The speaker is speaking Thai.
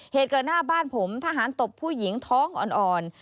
เหตุเกิดหน้าบ้านผมทหารตบผู้หญิงท้องอ่อน